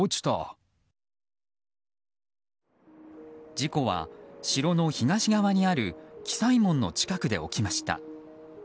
事故は城の被害側にある喜斎門の近くで起きました。